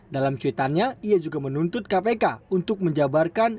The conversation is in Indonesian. dalam cuitannya ia juga menuntut kpk untuk menjabarkan